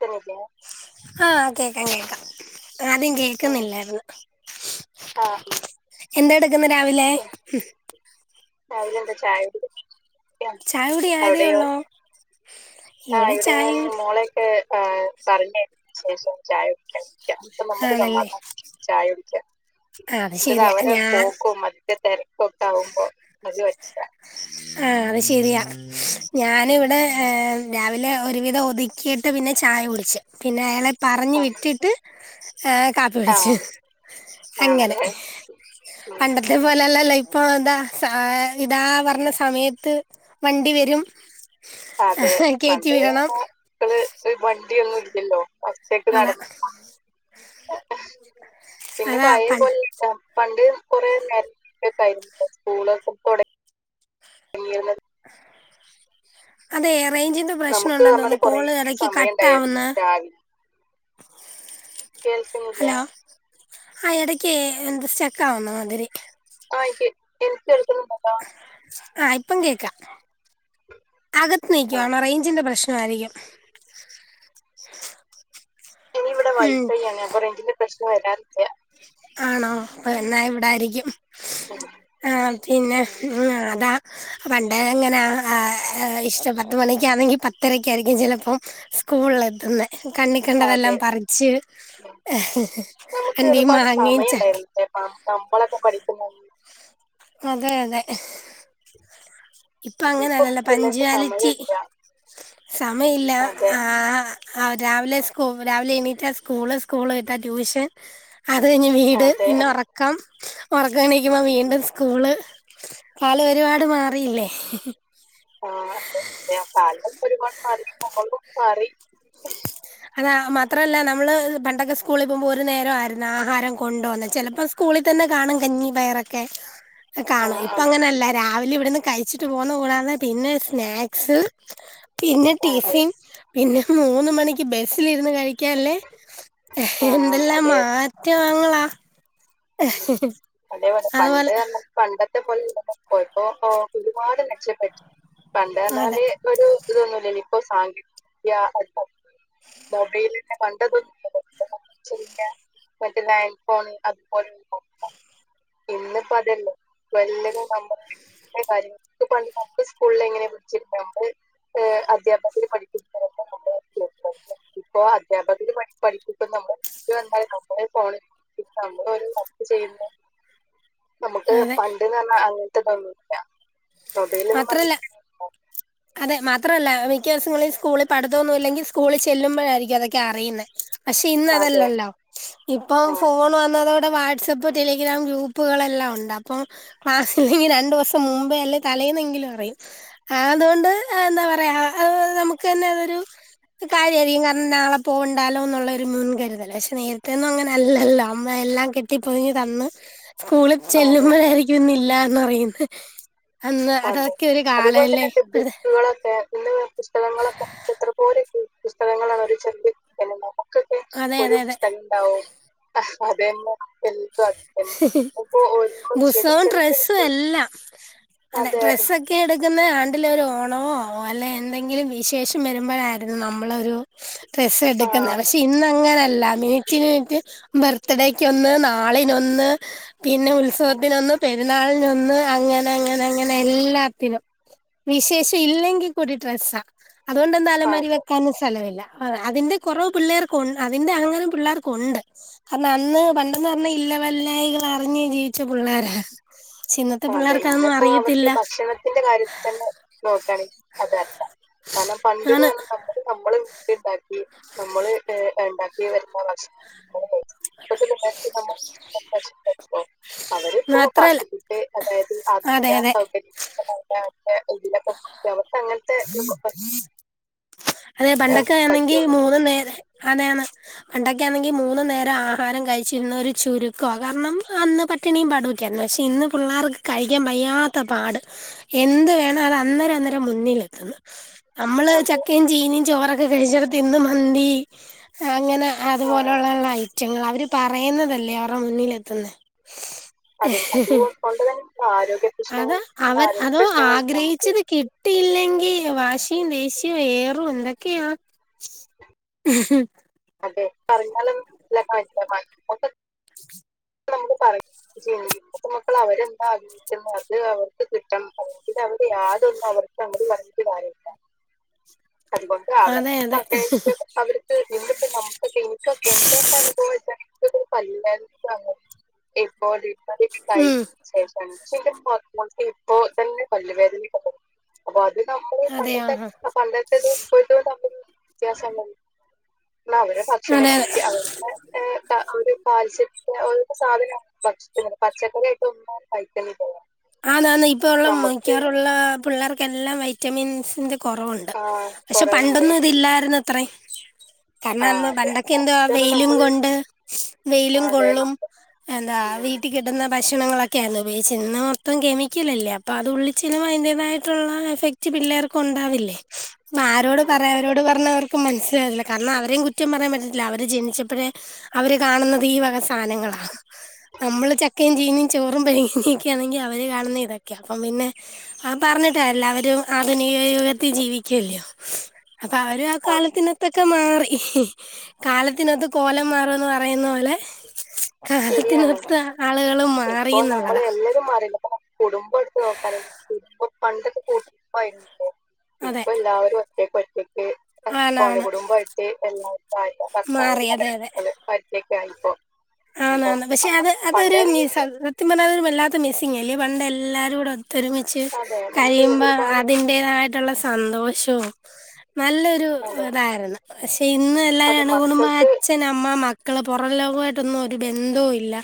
ട്ട്ണില്ലേ ആഹ് കേക്കാം കേക്കാം ആദ്യം ഉം കേക്കുന്നില്ലായിരുന്നു ആഹ് എന്താ എടുക്കുന്ന രാവിലെ രാവിലെന്താ ചായക്ക് കടി ചായകുടിയായതേ ഒള്ളോ ആഹ് ഇവിടെ ഞാൻ മോളെയൊക്കെ ആഹ് പറഞ്ഞയച്ച ശേഷം ചായ കുടിക്കാൻ നിക അപ്പ നമ്മക്ക് ആണല്ലേ സമാധനത്തിൽ ചായ കുടിക്കാ ആ അത് ഇത് അവരെ പോകും മ ഏഹ് അത് ശരിയാ ഞാനിവിടെ ഏഹ് രാവിലെ ഒരുവിധം ഒതുക്കിയിട്ട് പിന്നെ ചായ കുടിച്ച് പിന്നെ അയാളെ പറഞ്ഞു ആഹ് വിട്ടിട്ട് ഏ കാപ്പി കുടിച്ച് ആഹ് അങ്ങനെ ആണല്ലേ ഉം പണ്ടത്തെ പോലല്ലല്ലേ ഇ ഇപ്പൊ എന്താ ഇതാ പറഞ്ഞ സമയത്ത് വണ്ടി വരും അതേ കയറ്റി പണ്ട്പൊ വിടണം മക്കള് ഒരു വണ്ടിയൊന്നും ഇല്ലല്ലോ ഒറ്റക്ക് അതാ നടന്നു പിന്നെ അതാ പഴയ പണ്ട് പോലെ അല്ല ഇപ്പോ പണ്ട് കൊറ ഉണ്ടായിരുന്നു ഒക്കെ ആയിരുന്നു സ്കൂളൊക്കെ [unintelligible] അതെറേഞ്ചിന്റെ നമുക്ക് പ്രശ്നണ്ടന്ന് പറഞ്ഞാല് തോന്നുന്നു കൊറേ കോള് എടക്കി സമയം കട്ട് ഉണ്ടായിരുന്നു ആവുന്നെ രാവിലെ കേൾക്കുന്നില്ലേ ഹലോ ആഹ് എടക്ക് എന്ത് സ്റ്റെക് ആവുന്ന മാതിരി [unintelligible] [unintelligible] ആ ഇപ്പം കേക്കാം അകത്ത് ആ നിക്കുവാണോ റേഞ്ചിന്റെ പ്രശ്നായിരിക്കും. ഇവടെ ഉം, വൈഫൈ ആണ് അപൊ റയിഞ്ചിന്റെ പ്രശ്നം വരാറില്ല. ആണോ എന്നാ ഇവിടായിരിക്കും. ഉം ആഹ് പിന്നെ ഉം അതാ പണ്ടേ അങ്ങനാ ആ ഇഷ്ടം പത്തുമണിക്കാണെങ്കി പത്തരക്ക് ആയിരിക്കും ചേലപ്പോ സ്കൂൾ എത്തുന്നെ അതെ കണ്ണിക്കണ്ടതെല്ലാം പറിച്ച് ഉം. നമുക്ക് എന്തിമ്മാ ഒരുപാട് സമയം ഉണ്ടായിരുന്നു നമ്മളൊക്കെ പഠിക്കുംമ്പം അതെ അതെ ഇപ്പൊ അങ്ങനെല്ലല്ലേ പിള്ളേർക്ക് പഞ്ചുവാലിറ്റി സമയമില്ല സമയില്ല അതെ ആഹ് ആഹ് രാവിലെ സ്കോ രാവിലെ എണീറ്റാ സ്കൂള് സ്കൂള് വിട്ടാ ട്യൂഷൻ അത് ക്കൈഞ്ഞ് വീട് അതെ പിന്നെ ഒറക്കം ഉറക്കനീക്കുമ്പേ വീണ്ടും സ് കൂള് കാലം ഒരുപാട് മാറിയില്ലേ. ഓഹ് അതെ കാലും ഒരുപാട് മാറി മ്മളും മാറി. അതാ മാത്രല്ല നമ്മള് പണ്ടൊക്കെ സ്കൂളി പോക്മ്പോ ഒരു നേരം ആയിരുന്നു ആഹാരം കൊണ്ട് പൊന്നെ ചേലപ്പോ കൂളി തന്നെ കാണും കഞ്ഞി പയറൊക്കെ ആ, കാണും ഇപ്പ ആ, അങ്ങനെല്ല രാവിലെ ഇവിടുന്ന് കഴിച്ചിട്ട് പോന്ന കൂടാതെ പിന്നെ സ്നാക്സ് പിന്നെ അതെ ട്ടിഫിൻ പിന്നെ മൂന്ന് മണിക്ക് ബസ്സിലിരുന്ന് കഴിക്കാല്ലേ ആ എന്തെല്ലാം മാ അതെ ന്റെ ആങ്ങളാ. ഉം അതേപോലെ അതുപോലെ പണ്ട്ർന്നാ പണ്ടത്തെ പോലെപ്പോ ഒരുപാട് മെച്ചപ്പെട്ടി അതെ പണ്ടർഞാല് ഒരു തൊന്നുല്ലല്ല ഇപ്പോ സാങ്കേ വിദ്യ മൊബൈല് [unintelligible] പണ്ട് [unintelligible] മറ്റുള്ള ഐഫോൺ അ ഇന്ന്പ്പോ അതല്ലേ വല്ലുക നമ്മള് കാര്യങ്ങ [unintelligible] പണ്ട് [unintelligible] സ്കൂൾള് എങ്ങനെ പിടിച്ചി അധ്യാപകര് പഠിപ്പിക്ക മുന്നേ [unintelligible] പ്പൊ ആധ്യാപകര് പഠി പഠിപ്പിക്കുന്ന [unintelligible] ഞമ്മള് ഫോണ് ഒരു വർക്ക് ചെയ്യുമ്പോ നമ്മക്ക് അതെ പണ്ട്ന്നർഞാ അങ്ങൻത്തെ ഇതൊന്നുല്ലാ. മാത്രല്ലാ അതെ മാത്രല്ല മിക്കവ്സ്ങ്ങളിൽ സ്കൂളിൽ പഠിതൊന്നും ഇല്ലെങ്കി സ്കൂളിൽ ചെല്ലുമ്പോഴായിരി ഇതൊക്കേ അറിയുന്നേ പക്ഷെ ഇന്ന് അതെ അതല്ലല്ലോ ഇപ്പൊ ആഹ് ഫോൺ വന്നതോടെ വാട്സ്ആപ് പ്പോ ടെലിഗ്രാം ഗ്രൂപ്പുകളെല്ലാം ഉണ്ട് അപ്പൊ ക്ലാസ്സ്‌ഇല്ലങ്കി രണ്ടൂസം മുമ്പേ അല്ലേ തലേന്നെങ്കിലും പറയും ആ അതുകൊണ്ട് എന്താ പറയാ നമുക്ക്ന്നെ അതൊരു കാര്യായിരിക്കും കാര്ണം നാളെ പോകണ്ടാല്ലോ ന്നുള്ളൊരു മുൻകരുതല് പക്ഷെ നേരേത്തെന്നും അങ്ങനെ അല്ലല്ലോ അമ്മ എല്ലാം കെട്ടി പൊതിഞ്ഞ് തന്ന് സ്കൂളിൽ അതെ ചെല്ലുമ്പോഴായിരികും ഇന്ന് ഇല്ലാന്ന് അറിയുന്നെ. അതെ അതേപോലെ തന്നെ ബുക്കുകളൊക്കെ ഇന്ന് പുസ്തകങ്ങളൊക്കെ എത്ര പോലൊ പുസ്തകങ്ങളാണ് ഒരു ചെ [unintelligible] ണ്ടാവും. നക്കക്കെ അതെ ഒരു അതെ അതെ പുസ്തകം ഉണ്ടാവും അതന്നേ [unintelligible] ബുസ്സവും ഡ്രസ്സും ചെറിയ എല്ലാം അല്ല അതെ ഡ്രസ്സൊ ക്കെ എടുക്കുന്നേ ആണ്ടിലൊ ഒരു ഓണമോ അല്ലെ എന്തെങ്കിലും വിശേഷം വരുമ്പോഴായിരുന്നു നമ്മളൊരു ഡ്രസ്സ് എടുക്കുന്നേ ആഹ് പക്ഷെ ഇന്ന അങ്ങനല്ലാ മിനി [unintelligible] ബർത്ത്ഡേക്ക് ഒന്ന് നാളിനൊന്ന് പിന്നെ ഉത്സവത്തിനൊന്ന് പെരുന്നാൾ നൊന്ന് അങ്ങനെ അങ്ങനെ അങ്ങനെ എല്ലാത്തിനും വിശേഷം ഇല്ലെങ്കി കൂടി ഡ്രസ്സാ. അതുകൊണ്ടെന്താ അലമാരി അതെ വെക്കാനും സ്ഥലമില്ല. ഹാന്ന് അതിന്റെ കുറവ് പിള്ളേർക്കു അതിന്റെ അഹങ്കാരം പിള്ളേർക്കുണ്ട് കാരണം അന്ന് പണ്ട് ന്ന് പർഞ്ഞ ഇല്ല വല്ലായ്കൾ അറിഞ്ഞ് ജീവിച്ച പിള്ളാരാ. അതെ ഇന്ന് ഇപ്പോ അവർക്ക് ഭക്ഷണത്തിന്റെ കാര്യത്തി തന്നെ നോക്കാണെങ്കി അതല്ലാ. കാരണം പണ്ട് ന്ന് ആണ് പർഞാ അത് നമ്മള്ട്ടുണ്ടാക്കി നമ്മള് ഏഹ് ഇണ്ടാക്കി വരുന്ന ഭക്ഷ് [unintelligible] അവരിപ്പോ മാത്രല്ല [unintelligible] അതായത് ഈ ആധുനിക അതെ അതെ സൗകര്യങ്ങൾ [unintelligible] രീതിയിലൊക്കെ അവർക്കങ്ങൻത്തെ അതെ ഏഹ് പണ്ടൊക്കെ ആണെങ്കി പറ്റുള്ളൂ മൂന്ന് നേരെ അതാണ്. പണ്ടൊക്കെയാണെങ്കി മൂന്നു നേരം ആഹാരം കഴിച്ചിരുന്ന ഒരു ചുരുക്കവാ കാരണം അന്ന് പ ട്ടിണിയും പാടുമൊക്കെയായിരുന്നു പക്ഷെ ഇന്ന് പിള്ളാർക്ക് കഴിക്കാൻ വയ്യാത്ത പാട്. എന്ത് വേണം അത് അന്നേരം അന്നേരം മുന്നിലെത്ത്ന്ന്. നമ്മള് അതെ. ചക്കയും ചീനിം ചോറൊക്കെ കഴിച്ചെടത്തിന്ന് മന്തി അങ്ങനെ. ആ, അതുപോലെ ഉളള ഉള്ള ഐറ്റങ്ങളാ. അവര് പറയുന്നതല്ലേ അവർടെ മുന്നിലെത്തുന്നെ. അത് അതുകൊണ്ട് തന്നെ നമുക്ക് ആരോഗ്യ അത പ്രശ്നങ്ങൾ അവർ ആരോഗ്യ അതോ പ്രശ്നങ്ങൾ നമുക്ക് ആഗ്രഹിച്ചത് കി ട്ടില്ലെങ്കി വാശിയും ദേശ് യും ഏറും എന്തൊക്കെയാ. അതെ പറഞ്ഞാലും ല്ല [unintelligible] [unintelligible] മക്കള് അവരെന്താ [unintelligible] ഗ്രഹിക്കുന്നോ അത് അവർക്ക് കിട്ടണം [unintelligible] അവര് യാതൊന്നും അവർക്ക് അങ്ങട് പറഞ്ഞിട്ട് കാര്യല്ല. അതുകൊണ്ട് അതെ അതെ അവർകൊക്കെ [unintelligible] അവർക്ക് ഇന്ന് പ്പ നമുകൊക്കെ ഇൻക്കൊക്കെ ഇൻ്റെ [unintelligible] ബോയ്‌സാണ് [unintelligible] ഇപ്പോത് ആദ്യായിട്ട് ഇണ്ടായി ഉം ശേഷം പക്ഷെ ഇൻ്റെ [unintelligible] ഇപ്പൊ തന്നെ പല്ല് വേദനിം [unintelligible] അപ്പൊ അത് നമ്മള് അതെ പണ്ടത്തെ ആഹാ പണ്ടത്തെതും ഇപ്പഴ്ത്തതും തമ്മിലുള്ള വ്യത്യാസാണ്. ള്ള അവരെ ഭക്ഷണ അതെ അതെ രീതി അവരുടെ [unintelligible] ആഹ് ഒരു കാൽസ്യത്തിൻ്റെ [unintelligible] സാധനാണ് ഭക്ഷിക്കുന്നത് പച്ചക്കറി ആയിട്ട് ഒന്നും കയിക്ക്ണില്ലല്ലോ. ആന്നാന്ന് ഇപ്പ ഉള്ള മു മിക്കാറുള്ള പിള്ളേർക്കെല്ലാം വൈറ്റമിൻസിന്റെ കുറവുണ്ട് ആ പക്ഷെ കുറവുണ്ട് പണ്ടൊന്നും ഇതില്ലായിരുന്നത്രേ. കാരണം ആ അന്ന് അതെ പണ്ടൊക്കെ എന്തുവാ കാരണം വെയിലും നമ്മള് കൊണ്ട് വെയിലും ആ അതെ കൊള്ളും നമ്മ എന്താ വീട്ടി കിട്ടുന്ന ഭക്ഷണങ്ങളൊക്കെയായിരുന്നു ഉപയോഗിച്ചെ. ഇന്ന് മൊ ത്തോം കെമിക്കലല്ലേ അപ്പൊ അത് ഉള്ളിച്ചെല്ലുമ്പം അതിന്റെതായിട്ടുള്ള എഫക്റ്റ് പിള്ളേർക്കുണ്ടാവില്ലേ. ആരോട് പറയാൻഅവരോട് പറഞ്ഞാ അവർക്ക് മനസ്സിലാവില്ല. കാരണം അവരെയും കു റ്റം പറയാൻ പറ്റത്തില്ല അവര് ജനിച്ചപ്പഴേ അവര് കാണുന്നത് ഈ വക സാനങ്ങളാ. നമ്മള് ചക്കയും ചീനിം ചോറും പഴങ്കഞ്ഞിയൊക്കെ ആണെങ്കി അ വര് കാണുന്നെ ഇതൊക്കെയാ അപ്പം പിന്നെ. അഹ് പർഞ്ഞിട്ട് കാര്യല്ല അവരും ആധുനിക യുഗത്തി ജീവിക്ക്യ അല്ല്യോ. അപ്പവരും ആ അത് കാലത്തിനൊത്ത് ക്കെ മാറി കാലത്തിനൊത്ത് കോലം മാറുംന്ന് പറയുന്ന പോലെ ശരിയാണ് കാലത്തിനൊത്ത് ആളുകളും മാറി ഇപ്പൊ നമ്മള് ന്നുള്ളതാ. എല്ലാരും മാറില്ല ഇപ്പൊ കുടുംബം എടുത്ത് നോക്കാനേ. കുടുംബ പണ്ടൊക്കെ കൂട്ടുകുടുംബായിരുന്നല്ലോ അതെ ഇപ്പൊ എല്ലാവരും ഒറ്റക്കൊറ്റക്ക് [unintelligible] ആണ് ആണ് കോണികുടുംബമായിട്ട് എല്ലാവരും ഭാര്യ, ഭർത്താവ്, മാറി ഒര് അതെ മകന് അതെ ഓല് [unintelligible] ലട്ടായിപ്പോ ആന്നാന്ന് പക്ഷെ അത് അതൊരു മീസ - ത്യം പറഞ്ഞ അത് ഒരു വല്ലാത്ത മിസ്സി അല്ലേ പണ്ട് എല്ലാരും കൂടെ ഒത്തൊരുമിച്ച് അതെ നമുക്ക് കരിയുമ്പോ ഒരുപാട് അതി ൻ്റെ തായിട്ടുള്ള സന്തോഷവും നല്ല ഒരു അതെ ഇതായിരുന്നു പക്ഷെ ഇന്ന് എല്ലാരും അത് അണുകുടുംബയിട് മക്കൾക്ക് അച്ഛന അമ്മ മക്കള് പുറം ലോകമായി ട്ട്ന്നും ഒരു ബന്ധവും ഇല്ല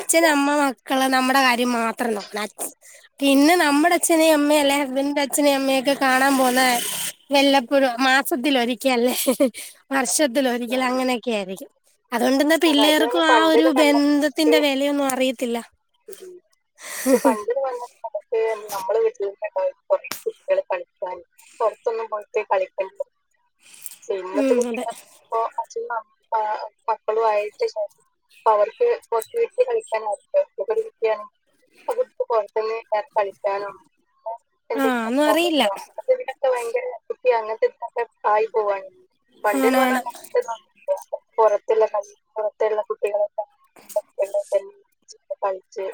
ഇല്ല അമ്മ മക്കള് നമ്മുടെ കാര്യം മാത്രം നോക്കണം അ പിന്നെ നമ്മുടെ അച്ഛനേ അമ്മേ അല്ലെ ഹസ്ബൻഡന്റെ അച്ഛനേ അമ്മയൊക്കെ കാണാൻ പോന്നേ വല്ലപ്പോഴും ആ മാസത്തിലൊരിക്കല്ലേ വർഷത്തിലൊരിക്കല് ഉം. അങ്ങനെയൊക്കെ ആയിരിക്കും അതുകൊണ്ടന്ന അതായത് പിള്ളേർക്കും തന്നെ ആഹ് ഒരു പണ്ടിത് നമുക്ക് ബന്ധത്തിന്റെ വിലയൊന്നും അറിയത്തില്ല പക്ഷെ പണ്ടില് വന്നിട്ട നമക്ക് നമ്മുടെ വീട്ടില കുറെ കുട്ടികള് കളിക്കാൻ പുറത്തൊന്നും പോയിട്ട് കളിക്കില്ല ഇന്നത്തെ ഉം അതെ കുട്ടികള ഇപ്പ [unintelligible] മക്കളും ആയിട്ട് ശേഷം അപ്പ അവർക്ക് പത്ത് വീട്ടിൽ കഴിക്കാനാരുല്ല [unintelligible] പുറത്തുന്ന് [inaudible] കഴിക്കാനും ആഹ് ഒന്നും അറിയില്ല ക്കെ ഭയങ്കര കുട്ടി അങ്ങനത്തെ ഇക്കെ കായി പോവാണ് വണ്ടീന്ന് പറഞ്ഞാ ആണാണ് പുറത്തുള്ള ക പുറത്തുള്ള കുട്ടികളൊക്കെ [unintelligible] കളിച്ച്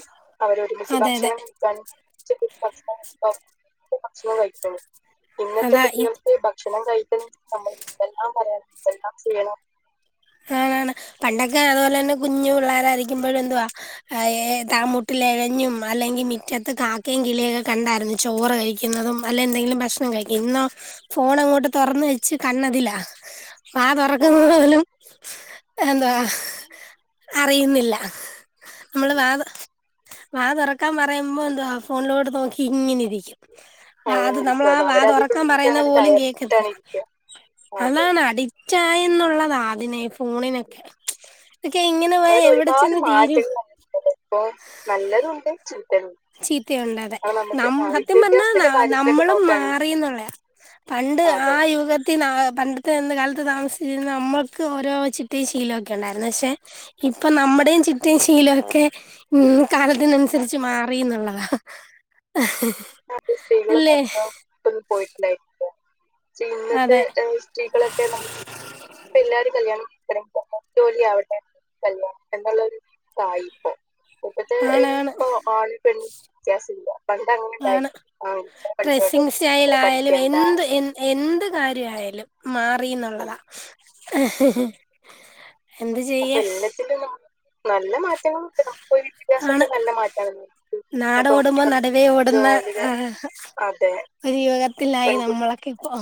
അവരൊരുമിച്ച് അതെ അതെ ഭക്ഷണം കാൻ [inaudible] ഭക്ഷണം കഴിക്കുള്ളൂ ഇന്നത്തെ അതാ കുട്ടികൾക്ക് ഭക്ഷണം കഴിക്കുന്ന നമ്മൾ ഇതെല്ലാം പറയണം എതെല്ലാം ചെയ്യണം ആണ് ആണ് പണ്ടൊക്കെ അതുപോലെ തന്നെ കുഞ്ഞു പിള്ളേരയിരിക്കുമ്പോ എന്തുവാ ഏഹ് താമൂട്ടിൽ ഇഴഞ്ഞും അല്ലെങ്കിൽ മിറ്റത്ത് കാക്കയും കിളിയൊ ഒക്കെ കണ്ടായിരുന്നു ചോറ് കഴി ക്കുന്നതും അല്ല എന്തെങ്കിലും ഭക്ഷണം കഴിക്ക ഇന്നോ ഫോൺ അങ്ങോട്ട് തുറന്ന വെച്ച് കണതില വാ തുറക്കുന്നത് ആഹ് പോലും എന്താ അറിയുന്നില്ല നമ്മള് വ തോ വ തുറക്കാൻ പറയുമ്പോ എന്തുവാ ഫോണിലോട്ട് നോക്കി ഇങ്ങനെ ഇരിക്കും ആഹ് അങ്ങനെ അത് നമ്മള ഇരിക്കും ആ വാത ഉറക്കാൻ അവരതിനുള്ളിലേക്ക് പറയുന്നത് അങ്ങോട്ട് പോലും കേക്കത്തില്ല കയറിയിട്ടാണ് ഇരിക്കുക അതെ അതാണ് അടി റ്റായന്നുള്ളതാ അതിനെ ഫോണിനൊക്കെ ഒക്കെ ഇങ്ങനെ പോയാ എവിടെ ചെന്ന് തീരും അപ്പൊ നല്ലതു ഉണ്ട് ചീത്തയും ചീത്തയുണ്ട് അതെ നാം സത്യം പറഞ്ഞാ ന വിദ്യാഭ്യാസത്തിന്റെ കാര്യത്തിലൊക്കെ നമ്മളും നോക്കുകയാണെങ്കിൽ മാറിന്നുള്ളയ പണ്ട് അതെ ആഹ് യുഗത് ത്തി നാ പണ്ടത്തെന്ന് കാലത്ത് താമസിച്ചുന്ന നമ്മുക്ക് ഓരോ ചിട്ടയും ശീലൊക്കെ ഉണ്ടായിരുന്നു പക്ഷെ ഇപ്പ നമ്മുടെയും ചിട്ടയും ശീലം ഒക്കെ ഉം കാലത്തിനനുസരിച്ച് മാറന്നുള്ളതാ ഇല്ലേ പോയിട്ടുണ്ടായിരിക്ക ഇന്നത്തെ അതെ സ്ത്രീകളൊക്കെ നമ്മ ഇപ്പ എല്ലാരും കല്യാണം [inaudible] ജോലി ആവട്ടെ കല്യാണം എന്നുള്ളരു ആയിപ്പോ ഇപ്പത്തെ ആണാണ് ഇപ്പൊ ആണ് പെണ്ണ് വ്യത്യാസമില്ല പണ്ട്ങ്ങ ആണ് ഡ്രസ്സിങ് സ്റ്റൈൽ ആയാലും പഠിക്കണ്ട എന്ത് എ എന്ത് കാര്യയാലും ഉം. മാറിന്നുള്ളതാ എന്ത് അപ്പൊ ചെയ്യ എല്ലാത്തിലും നല്ല മാറ്റങ്ങൾ ഉണ്ട് വിദ്യാഭ്യാസംക്കെ നല്ല മാറ്റമാണ് നാട് ഓടുമ്പോ പെൺകുട്ടികൾ നടുവേ ഓടുന്ന ജോലിയില് ആഹ് അതെ ഒരു യുഗത്തിലായി പെൺകുട്ടി നമ്മളൊക്കെ ഇ ഓ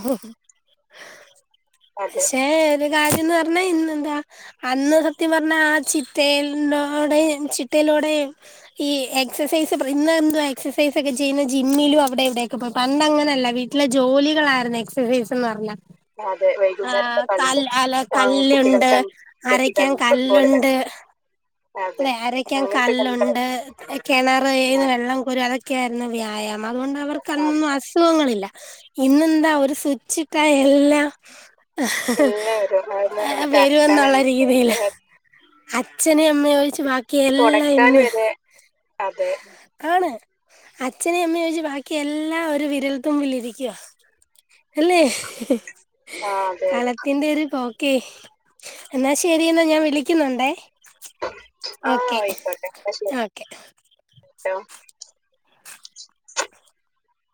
അതെ പക്ഷേ ഒരു കാര്യംന്ന് പറഞ്ഞാ ഇന്നെന്താ അന്ന് സത്യം പറഞ്ഞാ ആ ചിട്ടലോടെ ചിട്ടയിലോടെ ഈ എക്സൈസ് ഇന്ന് എന്തോ എക്സൈസ ഒക്കെ ചെയ്യുന്ന ജിമ്മില്ലും അവിടെവിടെയൊക്കെ പോയി പണ്ട് അങ്ങനെല്ല വീട്ടിലെ ഉം. ജോലികളായിരുന്നു എക്സസൈസ്ന്ന് പറഞ്ഞ അതെ വൈകുന്നേരത്തെ ആഹ് കല് കളികൾ അല്ല കുട്ടികളെ കല്ലുണ്ട് ക്രിക്കറ്റ് അരക്കാൻ കളി ഫുട്ബോൾ കളി കല്ലുണ്ട് അതെ അരക്കാൻ അങ്ങനത്തെ കല്ലുണ്ട് കളികളൊക്കെ കിണർന്ന് മാറി. വെള്ളം കോരം അതൊ ഒക്കെയ ആയിരുന്ന വ്യായാമം അതുകൊണ്ട് അവർക്ക് അതെ അന്നൊന്നും അസുഖങ്ങളില്ല ഇന്നന്താ ഒര് സ്വിച്ചിട്ടാ എല്ലാ എല്ലാവരും അതിനെ നമുക്ക് വരുമെന്നുള്ള രീതിൽ അരക്കാനാണെങ്കിലും അച്ഛനയും അമ്മയും ഒഴിച്ചു ബാക്കി എല്ലാം തുടക്കൻ ഇന്ന് വരെ അതെ ആണ് അച്ഛനേ അമ്മയുംഒഴിച്ച് ബാക്കി എല്ലാ ഒരു വിരൽത്തുമ്പിൽ ഇരിക്കുവ അല്ലേ ആഹ് അതെ അതെ ലത്തിന്റെ ഒരു പോക്കേ എന്നാ ശരി എന്നാ ഞാൻ വിളിക്കുന്നുണ്ടേ ആ ഓക്കെ ഓക്കെ ഹലോ